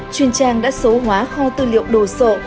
chuyên trang đã số hóa kho tư liệu đồ sộ